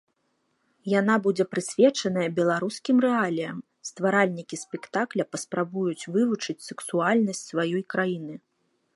Яна будзе прысвечаная беларускім рэаліям, стваральнікі спектакля паспрабуюць вывучыць сэксуальнасць сваёй краіны.